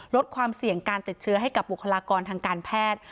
ลดความเสี่ยงการติดเชื้อให้กับบุคลากรทางการแพทย์